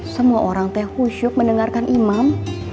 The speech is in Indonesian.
semua orang teh husyuk mendengarkan imam